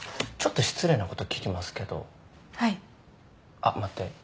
あっ待って。